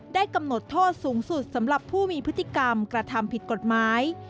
กำหนดโทษสูงสุดสำหรับผู้มีพฤติกรรมกระทำผิดกฎหมาย